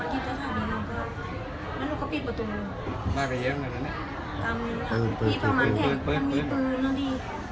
พี่พอมันแขนมันมีปืนอ่ะพี่